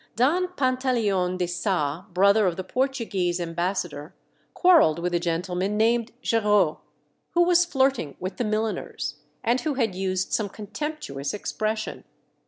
Don Pantaleon de Saa, brother of the Portuguese ambassador, quarrelled with a gentleman named Giraud, who was flirting with the milliners, and who had used some contemptuous expression.